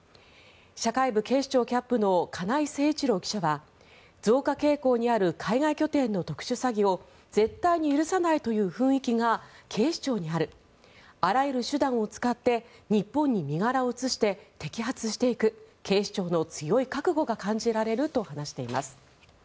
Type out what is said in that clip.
社会部警視庁キャップの金井誠一郎記者は増加傾向にある海外拠点の特殊詐欺を絶対に許さないという雰囲気が警視庁にあるあらゆる手段を使って日本に身柄を移して摘発していく警視庁の強い覚悟が感じられると話しています。